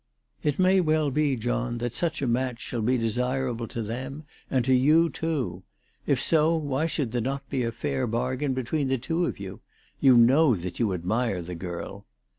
" It may well be, John, that such a match shall be desirable to them and to you too. If so, why should there not be a fair bargain between the two of you ? You know that you admire the girl."